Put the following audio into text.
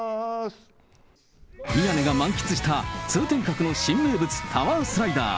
宮根が満喫した通天閣の新名物、タワースライダー。